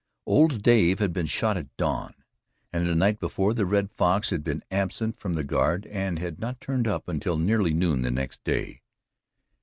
Old Dave had been shot at dawn, and the night before the Red Fox had been absent from the guard and had not turned up until nearly noon next day.